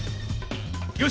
よし！